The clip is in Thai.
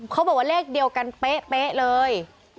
เขาบอกว่าเลขเดียวกันเป๊ะเลย